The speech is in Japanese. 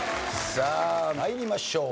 さあ参りましょう。